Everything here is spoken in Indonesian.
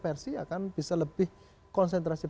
versi akan bisa lebih konsentrasi